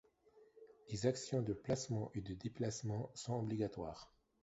Les actions de placement et déplacement sont obligatoires.